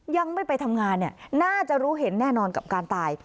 ยังไม่ไปทำงานเนี่ยน่าจะรู้เห็นแน่นอนกับการตาย